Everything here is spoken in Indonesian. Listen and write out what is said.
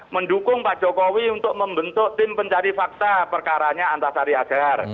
mendukung pak jokowi untuk membentuk tim pencari fakta perkaranya antasari azhar